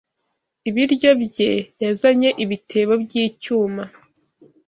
Ibiryo bye yazanye ibitebo byicyuma